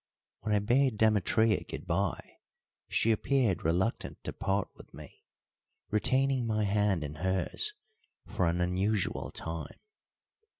When I bade Demetria good bye she appeared reluctant to part with me, retaining my hand in hers for an unusual time.